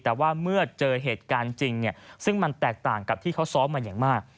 แต่ว่าเมื่อเจอเหตุการณ์จริงซึ่งมันแตกต่างกับที่เขาซ้อมมาอย่างมาก